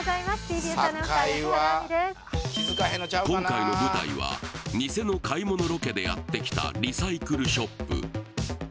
今回の舞台はニセの買い物ロケでやってきたリサイクルショップ